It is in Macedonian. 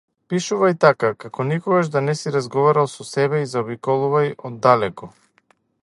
Пишувај така, како никогаш да не си разговарал со себе и заобиколувај оддалеку.